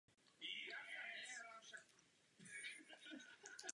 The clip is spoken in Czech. Má přibližně šedesát tisíc obyvatel.